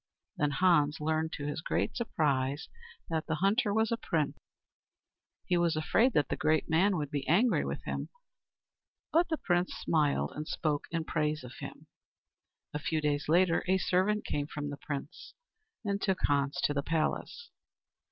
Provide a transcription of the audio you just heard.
Then Hans learned to his great surprise that the hunter was a Prince. He was afraid that the great man would be angry with him. But the Prince smiled and spoke in praise of him. A few days later a servant came from the Prince and took Hans to the palace.